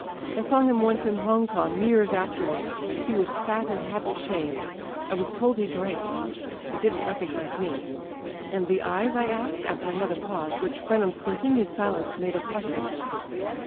I saw him once in Hong Kong, years afterward. He was fat and hadii't shaved. I was told he drank. He didn't reco^ise^ me. "And the eyes ?" I asked, after another pause which Frenham's continued silence made oppressive.